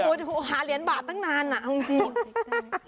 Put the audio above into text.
โอ้โหหาเหรียญบาทตั้งนานอ่ะเอาจริง